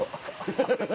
ハハハハ。